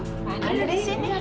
pak andre disini kan